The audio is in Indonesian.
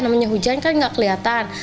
namanya hujan kan nggak kelihatan